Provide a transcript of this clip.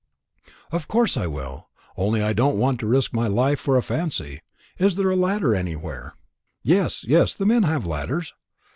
"Of course I will. Only I don't want to risk my life for a fancy. Is there a ladder anywhere?" "Yes, yes. The men have ladders."